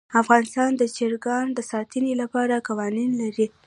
افغانستان د چرګان د ساتنې لپاره قوانین لري.